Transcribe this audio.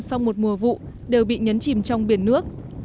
sau một mùa vụ đều bị nhấn chìm trong biển nước